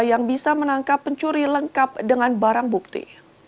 yang bisa menangkap pencuri lengkap dengan barang bukti